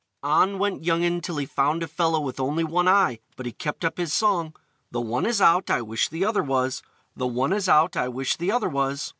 On went young 'un till he found a fellow with only one eye; but he kept up his song: "The one is out, I wish the other was! The one is out, I wish the other was!"